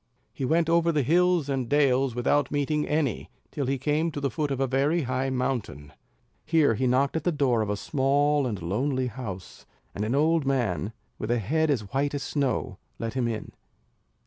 He went over the hills and dales without meeting any, till he came to the foot of a very high mountain. Here he knocked at the door of a small and lonely house; and an old man, with a head as white as snow, let him in.